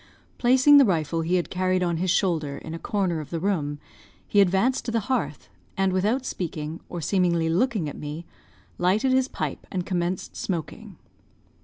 Placing the rifle he had carried on his shoulder, in a corner of the room, he advanced to the hearth, and without speaking, or seemingly looking at me, lighted his pipe and commenced smoking.